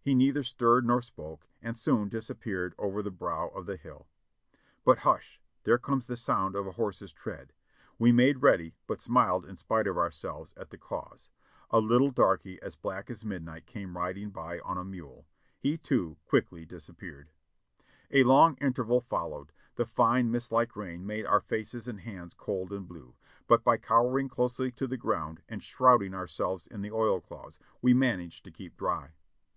He neither stirred nor spoke, and soon disappeared over the brow of the hill. But hush ! There comes the sound of a horse's tread. We made ready, but smiled in spite of ourselves, at the cause : a little darky as black as midnight came riding by on a mule; he too quickly disappeared. A long interval followed; the fine, mist like rain made our faces and hands cold and blue, but by cowering closely to the ground and shrouding ourselves in the oilcloths, we managed to keep dry.